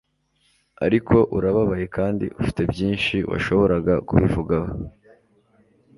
ariko urababaye kandi ufite byinshi washoboraga kubivugaho